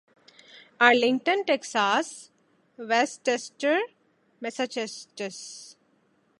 Arlington Texas Worcester Massachusetts